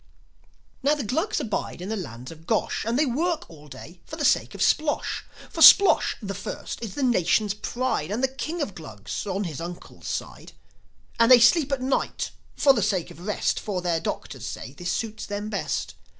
Now, the Glugs abide in the lands of Gosh; And they work all day for the sake of Splosh. For Splosh, the First, is the Nation's pride, And King of the Glugs, on his uncle's side. And they sleep at night, for the sake of rest; For their doctors say this suits them best.